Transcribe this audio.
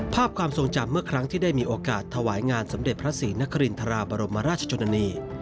ความทรงจำเมื่อครั้งที่ได้มีโอกาสถวายงานสมเด็จพระศรีนครินทราบรมราชชนนี